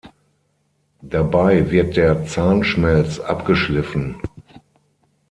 Dabei wird der Zahnschmelz abgeschliffen.